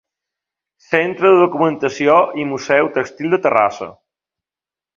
Centre de Documentació i Museu Tèxtil de Terrassa.